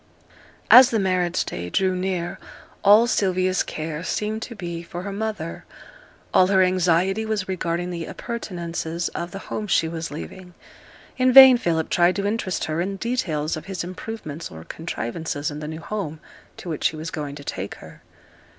As the marriage day drew near, all Sylvia's care seemed to be for her mother; all her anxiety was regarding the appurtenances of the home she was leaving. In vain Philip tried to interest her in details of his improvements or contrivances in the new home to which he was going to take her.